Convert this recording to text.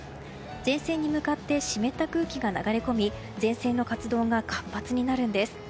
前線に向かって湿った空気が流れ込み前線の活動が活発になるんです。